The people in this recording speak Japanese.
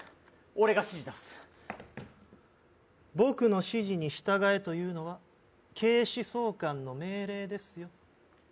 俺が指示出す僕の指示に従えというのは警視総監の命令ですよ